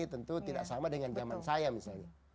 tentu tidak sama dengan zaman saya misalnya